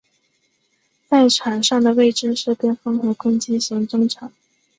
在场上的位置是边锋和攻击型中场。